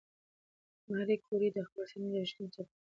ماري کوري د خپلې څېړنې یادښتونه ثبت کړل.